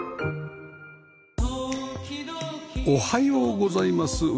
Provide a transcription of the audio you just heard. おはようございます。